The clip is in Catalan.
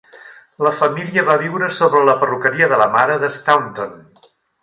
La família va viure sobre la perruqueria de la mare de Staunton.